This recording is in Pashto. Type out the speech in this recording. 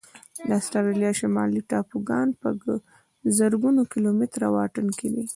د استرالیا شمالي ټاپوګان په زرګونو کيلومتره واټن کې دي.